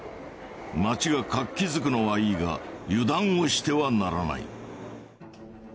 街が活気づくのはいいが油断をしてはならない。